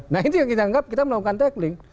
nah itu yang kita anggap kita melakukan tackling